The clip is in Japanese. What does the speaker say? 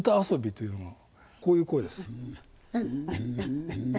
こういう声です。